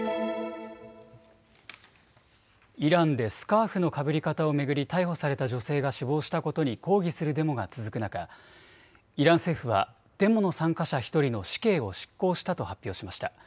イランでスカーフのかぶり方を巡り逮捕された女性が死亡したことに抗議するデモが続く中、イラン政府はデモの参加者１人の死刑を執行したと発表しました。